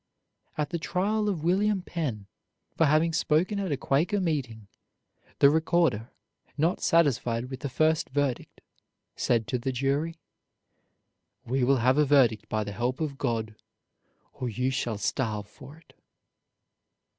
At the trial of William Penn for having spoken at a Quaker meeting, the recorder, not satisfied with the first verdict, said to the jury: "We will have a verdict by the help of God, or you shall starve for it."